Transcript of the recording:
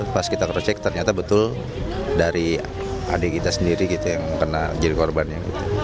pas kita cross check ternyata betul dari adik kita sendiri gitu yang kena jadi korbannya